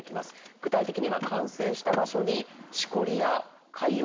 具体的には感染した場所にしこりや潰瘍などが現れます。